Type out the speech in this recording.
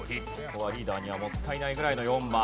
ここはリーダーにはもったいないぐらいの４番。